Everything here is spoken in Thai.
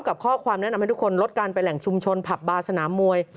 กับข้อความแนะนำให้ทุกคนลดการไปแหล่งชุมชนผับบาร์สนามมวย